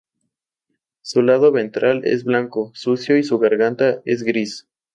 Su lado ventral es blanco sucio y su garganta es gris.